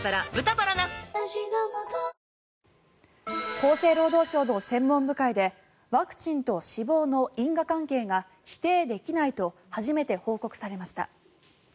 厚生労働省の専門部会でワクチンと死亡の因果関係が否定できないと初めて報告されました。